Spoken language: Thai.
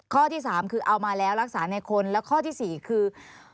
ข้อที่๓คือเอามาแล้วรักษาในคนแล้วข้อที่๔คือ